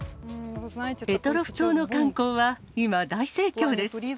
択捉島の観光は今、大盛況です。